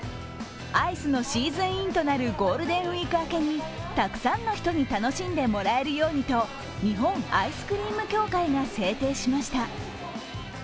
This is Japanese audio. アイスのシーズンインとなるゴールデンウイーク明けにたくさんの人に楽しんでもらえるようにと、日本アイスクリーム協会が制定しました。